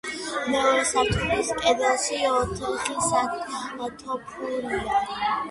მეორე სართულის კედელში ოთხი სათოფურია.